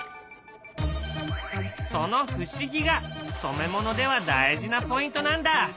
その不思議が染め物では大事なポイントなんだ！